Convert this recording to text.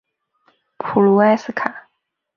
普卢埃斯卡。